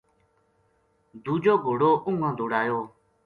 دوجو گھوڑو اُنگا دوڑایو